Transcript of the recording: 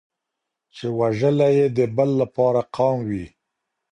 چي وژلی یې د بل لپاره قام وي